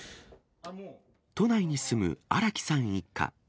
都内に住む荒木さん一家。